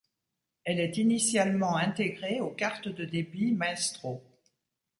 Elle est initialement intégrée aux cartes de débit Maestro.